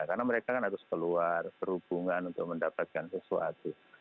karena mereka kan harus keluar berhubungan untuk mendapatkan sesuatu